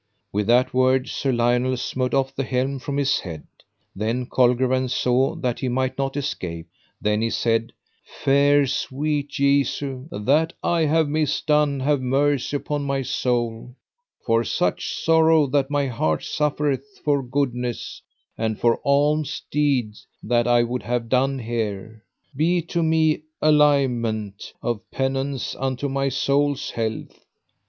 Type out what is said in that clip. With that word Sir Lionel smote off the helm from his head. Then Colgrevance saw that he might not escape; then he said: Fair sweet Jesu, that I have misdone have mercy upon my soul, for such sorrow that my heart suffereth for goodness, and for alms deed that I would have done here, be to me aligement of penance unto my soul's health.